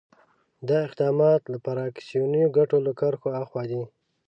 دا اقدامات له فراکسیوني ګټو له کرښو آخوا دي.